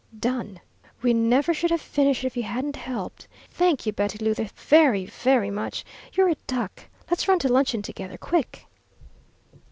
"Done!" "We never should have finished if you hadn't helped! Thank you, Betty Luther, very, VERY much! You're a duck! Let's run to luncheon together, quick."